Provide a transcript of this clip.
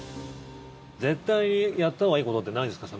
絶対にやったほうがいいことってないですか？